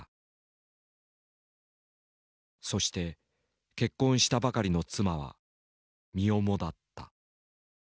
そして結婚したばかりの妻は身重だった。